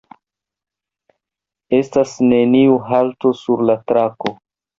Estas neniu halto sur la trako.